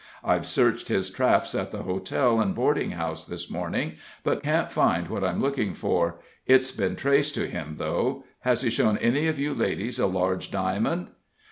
I've searched his traps at the hotel and boarding house this morning, but can't find what I'm looking for. It's been traced to him, though has he shown any of you ladies a large diamond?"